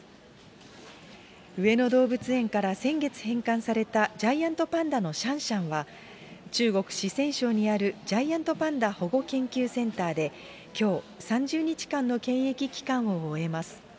上野動物園から先月返還されたジャイアントパンダのシャンシャンは、中国・四川省にあるジャイアントパンダ保護研究センターで、きょう、３０日間の検疫期間を終えます。